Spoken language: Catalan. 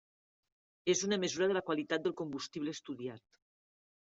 És una mesura de la qualitat del combustible estudiat.